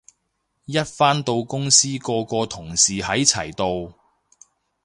一返到公司個個同事喺齊度